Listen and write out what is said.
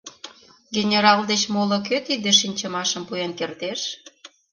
Генерал деч моло кӧ тиде шинчымашым пуэн кертеш?...